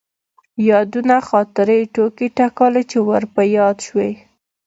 يادونه ،خاطرې، ټوکې تکالې چې ور په ياد شوي.